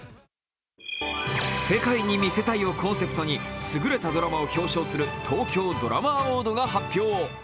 世界に見せたいをコンセプトに、すぐれたドラマを表彰する東京ドラマアウォードが発表。